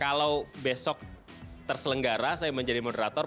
kalau besok terselenggara saya menjadi moderator